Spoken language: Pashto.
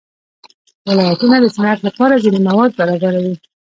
ولایتونه د صنعت لپاره ځینې مواد برابروي.